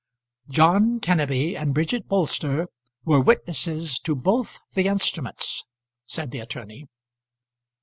"John Kenneby and Bridget Bolster were witnesses to both the instruments," said the attorney.